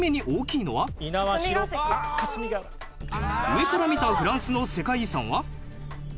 上から見たフランスの世界遺産は？